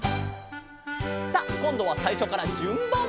「」さあこんどはさいしょからじゅんばん！